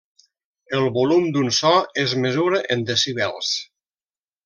El volum d'un so es mesura en decibels.